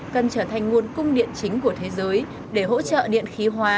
cần trở thành nguồn cung điện chính của thế giới để hỗ trợ điện khí hóa